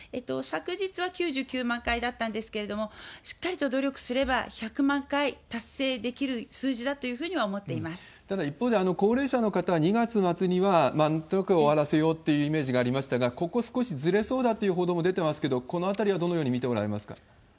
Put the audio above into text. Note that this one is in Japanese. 昨日は９９万回だったんですけども、しっかりと努力すれば１００万回達成できる数字だというふうにはただ、一方で高齢者の方、２月末にはなんとか終わらせようっていうイメージがありましたが、ここ、少しずれそうだという報道も出てますけど、このあたりはどのように見ておられますか？